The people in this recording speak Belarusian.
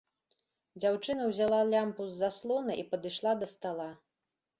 Дзяўчына ўзяла лямпу з заслона і падышла да стала.